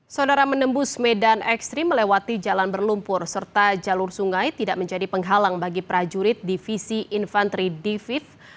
sodara menembus medan ekstrim melewati jalan berlumpur serta jalur sungai tidak menjadi penghalang bagi prajurit divisi infanteri diviv